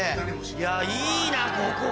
いやいいなここ！